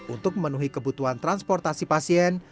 untuk memenuhi kebutuhan transportasi pasien